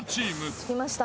着きました。